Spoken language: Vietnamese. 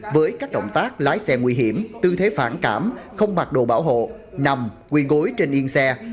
với các động tác lái xe nguy hiểm tư thế phản cảm không mặc đồ bảo hộ nằm quyền gối trên yên xe